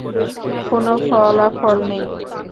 কোন ফলাফল নেই।